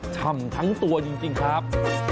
ฉ่ำทั้งตัวจริงครับ